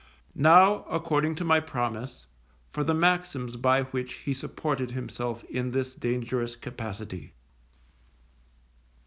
Now, according to my promise, for the maxims by which he supported himself in this dangerous capacity.